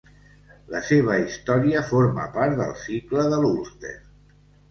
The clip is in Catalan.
La seva història forma part del Cicle de l'Ulster.